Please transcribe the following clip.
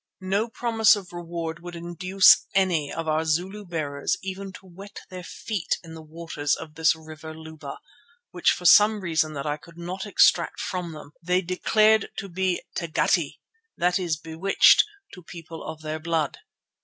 No promise of reward would induce any of our Zulu bearers even to wet their feet in the waters of this River Luba, which for some reason that I could not extract from them they declared to be tagati, that is, bewitched, to people of their blood.